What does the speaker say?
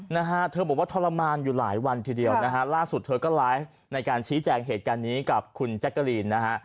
นะฮะเธอบอกว่าทรมานอยู่หลายวันทีเดียวนะฮะล่าสุดเธอก็ไลฟ์ในการชี้แจงเหตุการณ์นี้กับคุณแจ๊กกะลีนนะฮะ